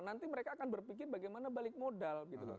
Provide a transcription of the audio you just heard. nanti mereka akan berpikir bagaimana balik modal gitu loh